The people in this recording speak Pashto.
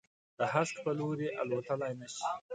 د هسک په لوري، الوتللای نه شي